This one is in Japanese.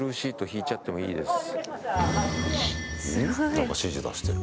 何か指示出してる。